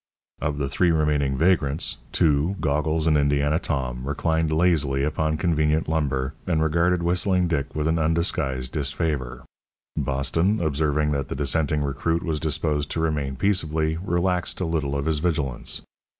Of the three remaining vagrants, two, Goggles and Indiana Tom, reclined lazily upon convenient lumber and regarded Whistling Dick with undisguised disfavour. Boston, observing that the dissenting recruit was disposed to remain peaceably, relaxed a little of his vigilance.